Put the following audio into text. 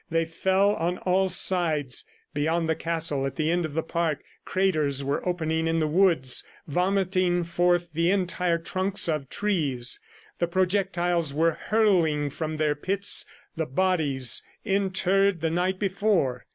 They fell on all sides. Beyond the castle, at the end of the park, craters were opening in the woods, vomiting forth the entire trunks of trees. The projectiles were hurling from their pits the bodies interred the night before.